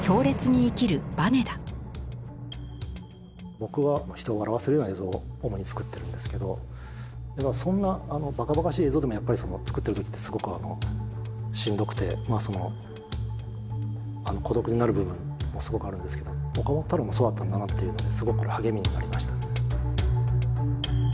僕は人を笑わせるような映像を主に作ってるんですけどそんなバカバカしい映像でもやっぱり作ってる時ってすごくしんどくて孤独になる部分もすごくあるんですけど岡本太郎もそうだったんだなっていうのですごく励みになりましたね。